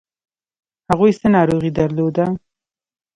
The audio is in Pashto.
هغوی څه ناروغي درلوده؟